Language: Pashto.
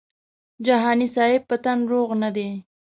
جهاني صاحب په تن روغ نه دی.